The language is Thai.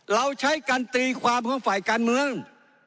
เราใช้การตีความของฝ่ายการเมือง